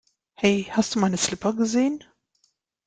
Hey, hast du meine Slipper gesehen?